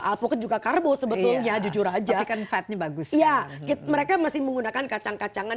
alpukat juga karbo sebetulnya jujur aja kan fatnya bagus ya mereka masih menggunakan kacang kacangan